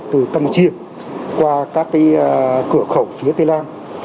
từ tâm triệp qua các cái cửa khẩu phía tây lan